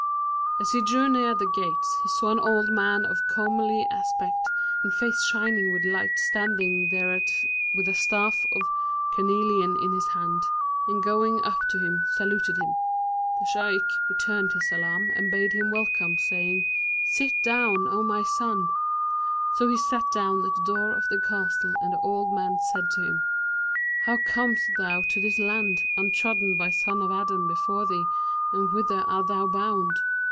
As he drew near the gates he saw an old man of comely aspect and face shining with light standing thereat with a staff of carnelian in his hand, and going up to him, saluted him. The Shaykh returned his salam and bade him welcome, saying, 'Sit down, O my son.' So he sat down at the door of the castle and the old man said to him, 'How camest thou to this land, untrodden by son of Adam before thee, and whither art thou bound?'